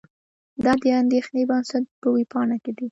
دا د اندېښې بنسټ په وېبپاڼه کې دي.